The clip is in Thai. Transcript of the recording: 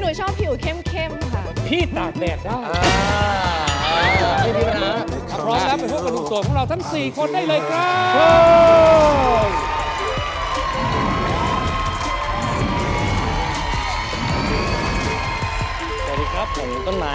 หนูชอบผิวเข้มค่ะ